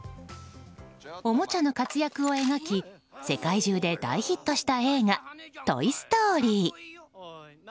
おもちゃの活躍を描き世界中で大ヒットした映画「トイ・ストーリー」。